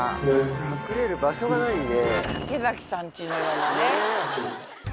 隠れる場所がないね。